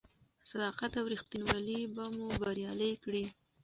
صداقت او رښتینولي به مو بریالي کړي.